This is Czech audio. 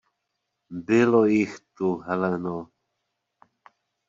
Bylo jich tu, Heleno.